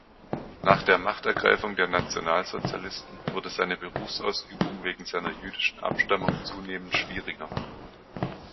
Nach der Machtergreifung der Nationalsozialisten wurde seine Berufsausübung wegen seiner jüdischen Abstammung zunehmend schwieriger.